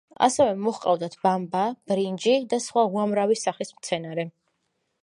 ასევე მოჰყავდათ ბამბა, ბრინჯი და სხვა უამრავი სახის მცენარე.